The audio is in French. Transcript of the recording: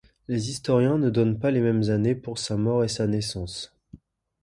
Les historiens ne donnent pas les mêmes années pour sa mort et sa naissance.